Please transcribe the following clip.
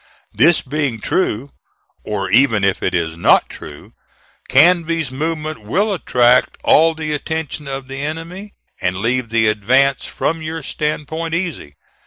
This being true, or even if it is not true, Canby's movement will attract all the attention of the enemy, and leave the advance from your standpoint easy.